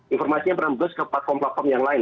informasi yang merembes ke platform platform yang lain